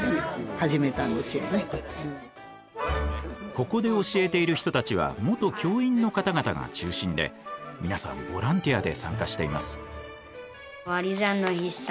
ここで教えている人たちは元教員の方々が中心で皆さんボランティアで参加しています。